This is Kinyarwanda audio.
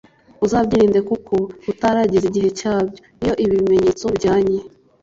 uzabyirinde kuko utarageza igihe cyabyo. iyo ibi bimenyetso bijyanye